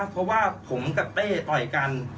เพราะว่าผมกับเต้ต่อยกัน